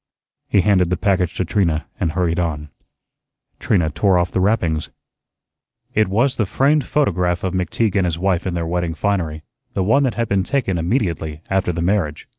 He handed the package to Trina and hurried on. Trina tore off the wrappings. It was the framed photograph of McTeague and his wife in their wedding finery, the one that had been taken immediately after the marriage.